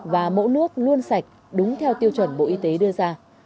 và mẫu nước luôn sạch đúng theo tiêu chuẩn bộ y tế đưa ra